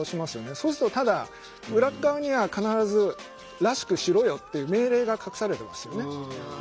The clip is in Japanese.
そうするとただ裏っかわには必ず「らしくしろよ」っていう命令が隠されてますよね。